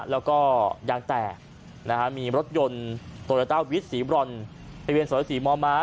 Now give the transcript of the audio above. แล้วก็ยางแตกนะฮะมีรถยนต์โตราเต้าวิทย์สีบรรบริเวณสวรรค์สีม้อม้า